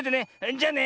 じゃあね。